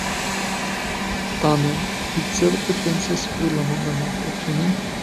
Tamen vi certe pensas pri la monda mapo, ĉu ne?